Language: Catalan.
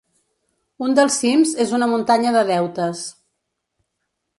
Un dels cims és una muntanya de deutes.